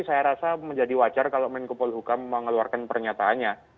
saya rasa menjadi wajar kalau menkupul hukum mengeluarkan pernyataannya